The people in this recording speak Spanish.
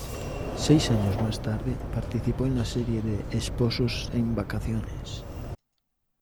Seis años más tarde participó en la serie de "Esposos en vacaciones".